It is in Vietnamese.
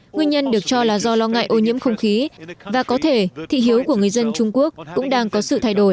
nguyên nhân được cho là do lo ngại ô nhiễm không khí và có thể thị hiếu của người dân trung quốc cũng đang có sự thay đổi